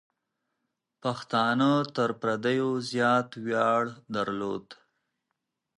پښتانه تر پردیو زیات ویاړ درلود.